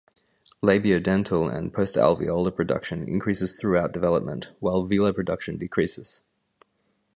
Labiodental and postalveolar production increases throughout development, while velar production decreases.